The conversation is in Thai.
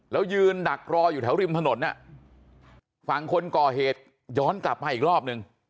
แล้วยืนดักรออยู่แถวริมถนนฝั่งคนก่อเหตุย้อนกลับมาอีกรอบนึง